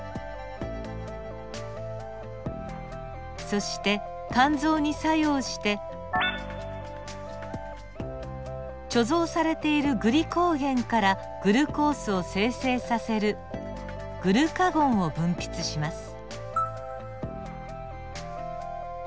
そして肝臓に作用して貯蔵されているグリコーゲンからグルコースを生成させるグルカゴンを分泌します。